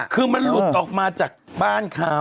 คือมันหลุดออกมาจากบ้านเขา